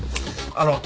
あの。